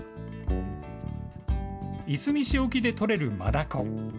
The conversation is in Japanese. いすみ市沖で取れるマダコ。